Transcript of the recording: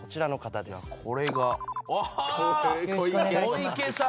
小池さん